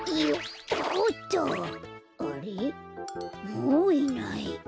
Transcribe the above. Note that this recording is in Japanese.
もういない。